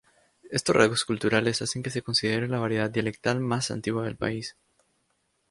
Estos rasgos culturales hacen que se considere la variedad dialectal más antigua del país.